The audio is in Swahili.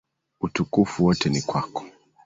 Utukufu wote ni kwako.